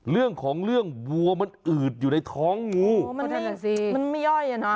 เรื่องของเรื่องวัวมันอืดอยู่ในท้องงูมันนั่นแหละสิมันไม่ย่อยอ่ะเนอะ